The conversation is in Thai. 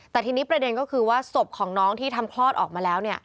แต่ทีนี้ประเด็นก็คือว่าศพของน้องที่ทำคลอดออกมาแล้ว